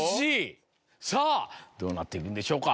さぁどうなっていくんでしょうか。